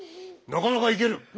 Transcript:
なかなかいける。